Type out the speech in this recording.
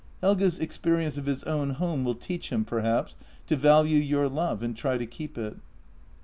Helge's experience of his own home will teach him, perhaps, to value your love and try to keep it."